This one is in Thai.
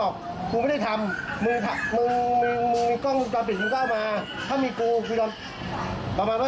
ควงสติไม่อยู่ค่ะ